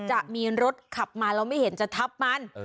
จะมีรถขับมาแล้วไม่เห็นจะทับมัน